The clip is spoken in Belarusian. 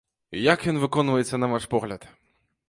Як ён выконваецца на ваш погляд?